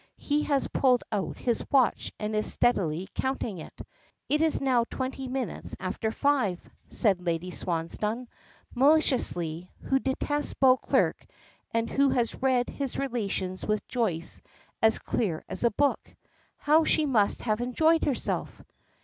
He has pulled out his watch and is steadily consulting it. "And it is now twenty minutes after five," says Lady Swansdown, maliciously, who detests Beauclerk and who has read his relations with Joyce as clear as a book. "How she must have enjoyed herself!"